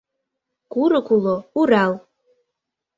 Курык уло — Урал